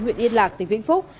huyện yên lạc tỉnh vĩnh phúc